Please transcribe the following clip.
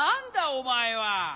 おまえは。